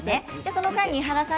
その間に井原さん